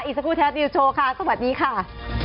อีซากูแท็สนิวโชว์ค่ะสวัสดีค่ะ